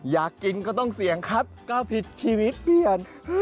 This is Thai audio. อยากกินก็ต้องเสี่ยงครับก็ผิดชีวิตเปลี่ยน